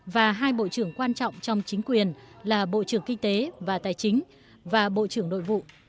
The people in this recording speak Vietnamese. và hai bộ trưởng quan trọng trong chính quyền là bộ trưởng kinh tế và tài chính và bộ trưởng nội vụ